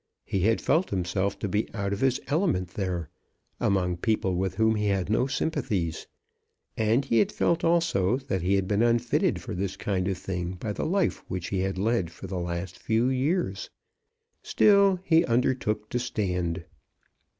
He had felt himself to be out of his element there, among people with whom he had no sympathies; and he felt also that he had been unfitted for this kind of thing by the life which he had led for the last few years. Still he undertook to stand.